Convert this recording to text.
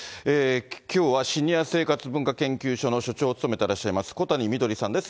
きょうはシニア生活文化研究所の所長を務めていらっしゃいます、小谷みどりさんです。